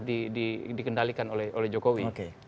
dikendalikan oleh jokowi